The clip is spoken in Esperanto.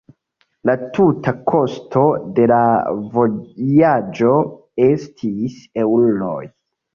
La tuta kosto de la vojaĝo estis eŭroj.